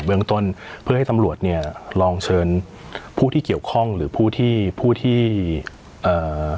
เมืองต้นเพื่อให้ตำรวจเนี่ยลองเชิญผู้ที่เกี่ยวข้องหรือผู้ที่ผู้ที่เอ่อ